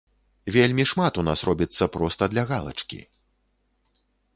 Вельмі шмат у нас робіцца проста для галачкі.